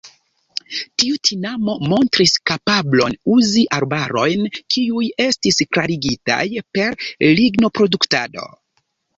Tiu tinamo montris kapablon uzi arbarojn kiuj estis klarigitaj per lignoproduktado.